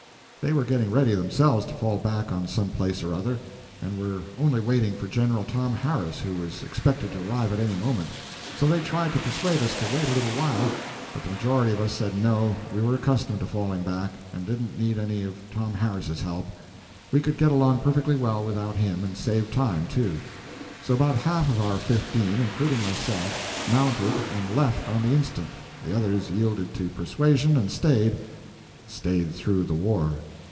They were getting ready, themselves, to fall back on some place or other, and were only waiting for General Tom Harris, who was expected to arrive at any moment; so they tried to persuade us to wait a little while, but the majority of us said no, we were accustomed to falling back, and didn't need any of Tom Harris's help; we could get along perfectly well without him and save time too. So about half of our fifteen, including myself, mounted and left on the instant; the others yielded to persuasion and stayed stayed through the war.